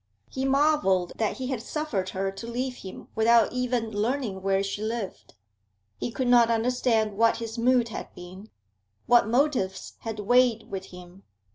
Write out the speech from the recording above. He marvelled that he had suffered her to leave him without even learning where she lived. He could not understand what his mood had been, what motives had weighed with him.